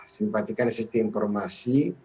simpatikan asli muf hoch